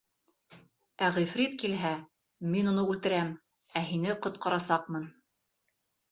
Ә ғифрит килһә, мин уны үлтерәм, ә һине ҡотҡарасаҡмын.